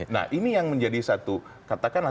nah ini yang menjadi satu katakanlah